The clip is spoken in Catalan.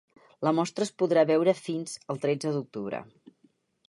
La mostra es podrà veure fins el tretze d’octubre.